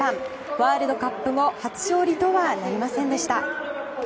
ワールドカップ後初勝利とはなりませんでした。